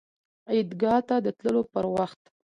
عیدګاه ته د تللو پر وخت